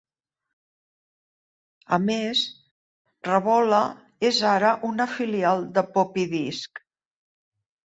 A més, RevOla és ara una filial de PoppyDisc.